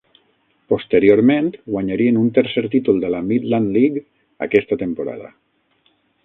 Posteriorment guanyarien un tercer títol de la Midland League aquesta temporada.